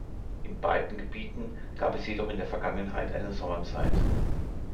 In beiden Gebieten gab es jedoch in der Vergangenheit eine Sommerzeit.